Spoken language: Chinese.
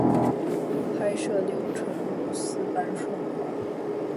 拍摄流程如丝般顺滑